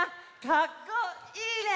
かっこいいね！